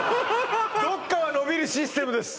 どっかはのびるシステムです